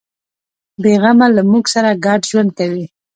بیغمه له موږ سره ګډ ژوند کوي.